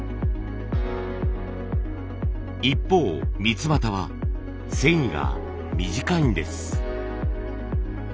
一方三椏は繊維が短いんです。